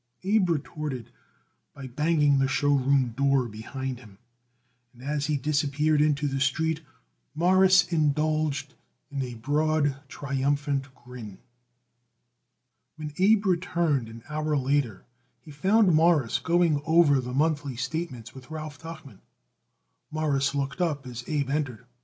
Abe retorted by banging the show room door behind him, and as he disappeared into the street Morris indulged in a broad, triumphant grin. When Abe returned an hour later he found Morris going over the monthly statements with Ralph Tuchman. Morris looked up as Abe entered.